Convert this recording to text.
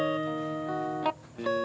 saya di sini